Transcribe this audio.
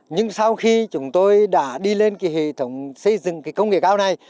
nhưng sau khi chúng tôi đã đi lên cái hệ thống xây dựng cái công nghệ cao này